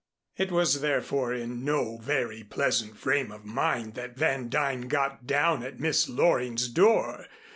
It was, therefore, in no very pleasant frame of mind that Van Duyn got down at Miss Loring's door.